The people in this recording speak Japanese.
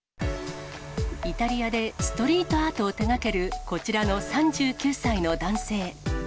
イタリアでストリートアートを手がけるこちらの３９歳の男性。